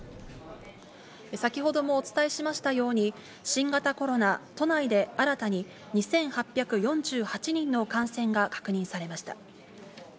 先ほどもお伝えしましたように、新型コロナ、都内で新たに２８４８人の感染が確認されました。